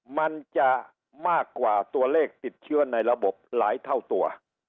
มันจะมากกว่าตัวเลขติดเชื้อในระบบหลายเท่าตัว